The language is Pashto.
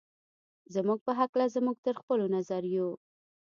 زموږ په هکله زموږ تر خپلو نظریو.